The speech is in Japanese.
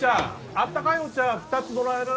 あったかいお茶２つもらえる？